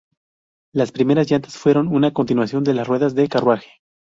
Las primeras llantas fueron una continuación de las ruedas de carruaje.